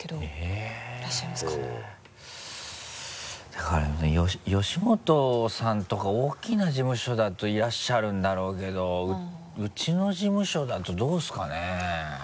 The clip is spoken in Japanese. だからね「吉本」さんとか大きな事務所だといらっしゃるんだろうけどウチの事務所だとどうですかね？